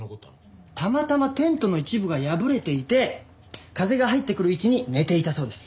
たまたまテントの一部が破れていて風が入ってくる位置に寝ていたそうです。